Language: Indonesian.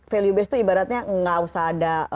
value base itu ibaratnya nggak usah ada